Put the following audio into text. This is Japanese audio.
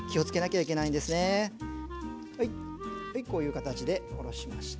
はいこういう形でおろしました。